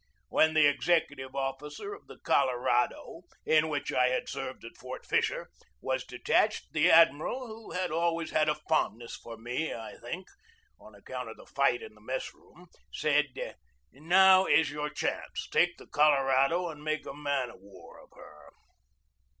When the executive officer of the Colo rado, in which I had served at Fort Fisher, was de 138 SERVICE AFTER THE WAR 139 tached, the admiral, who had always had a fondness for me, I think, on account of the fight in the mess room, said: "Now is your chance! Take the Colorado and make a man of war of her."